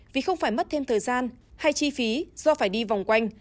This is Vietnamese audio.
vì không phải mất thêm thời gian hay chi phí do phải đi vòng quanh